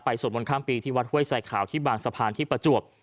ไปสวดหมนข้ามปีที่วัดเว้ยใส่ข่าวที่บางสะพานที่ประจวบ